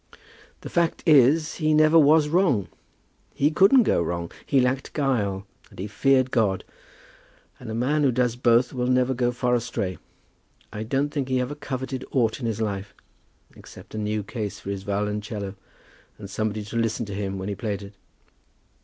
"The fact is, he never was wrong. He couldn't go wrong. He lacked guile, and he feared God, and a man who does both will never go far astray. I don't think he ever coveted aught in his life, except a new case for his violoncello and somebody to listen to him when he played it."